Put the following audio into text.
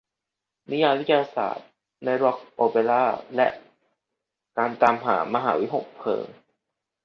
นิยายวิทยาศาสตร์ในร็อคโอเปร่า และการตามหาวิหคเพลิง